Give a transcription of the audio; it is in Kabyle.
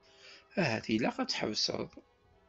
Ahat ilaq ad tḥebseḍ.